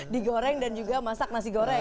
di goreng dan juga masak nasi goreng